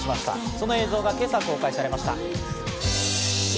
その映像が今朝公開されました。